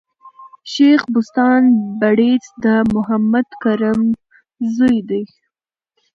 شېخ بُستان بړیځ د محمد کرم زوی دﺉ.